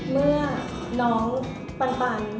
เมื่อน้องปัน